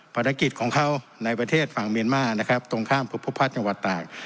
ภารกิจของเขาในประเทศฝั่งเมียนมานะครับตรงข้ามภูพัฒน์จังหวัดตาก